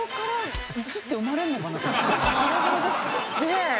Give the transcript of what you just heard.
ねえ。